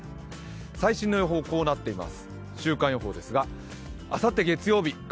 最新の予報はこうなっています。